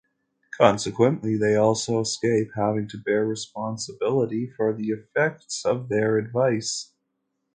Consequently, they also escape having to bear responsibility for the effects of their advice.